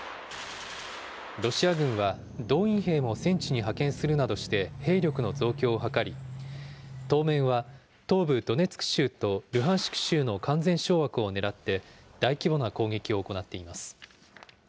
ロシア軍は、動員兵も戦地に派遣するなどして、兵力の増強を図り、当面は東部ドネツク州とルハンシク州の完全掌握をねらって、大規模な攻撃を行っています。